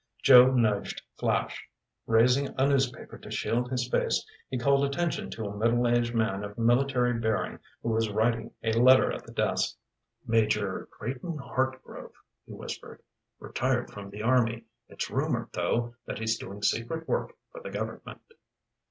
Joe nudged Flash. Raising a newspaper to shield his face, he called attention to a middle aged man of military bearing who was writing a letter at the desk. "Major Creighton Hartgrove," he whispered. "Retired from the army. It's rumored, though, that he's doing secret work for the government."